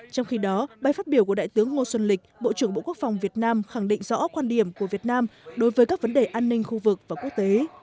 trong khi đó bài phát biểu của đại tướng ngô xuân lịch bộ trưởng bộ quốc phòng việt nam khẳng định rõ quan điểm của việt nam đối với các vấn đề an ninh khu vực và quốc tế